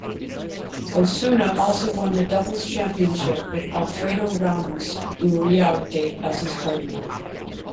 Osuna also won the Doubles Championship, with Alfredo Ramos Uriarte as his partner.